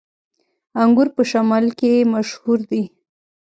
انګور په شمالی کې مشهور دي